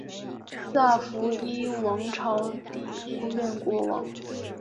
萨伏伊王朝第六任国王。